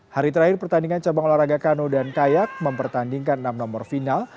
hari terakhir pertandingan cabang olahraga kano dan kayak mempertandingkan enam nomor final